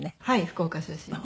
福岡出身です。